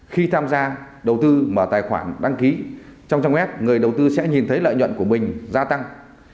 khi tham gia đầu tư mở tài khoản đăng ký trong web người đầu tư sẽ nhìn thấy lợi nhuận của mình gia tăng